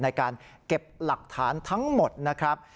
ในการเก็บหลักฐานทั้งหมดนะครับ